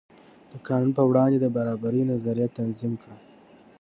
د قانون په وړاندې د برابرۍ نظریه تنظیم کړه.